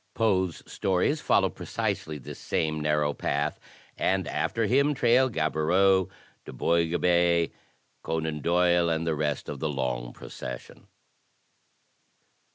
Poe's stories follow precisely this same narrow path, and after him trail Gaboriau, Du Boisgobey, Conan Doyle and the rest of the long procession.